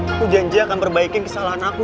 aku janji akan perbaikin kesalahan aku